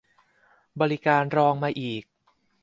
บริการรองมาอีก